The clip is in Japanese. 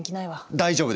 大丈夫です！